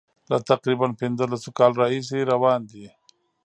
له تقریبا پنځلسو کالو راهیسي روان دي.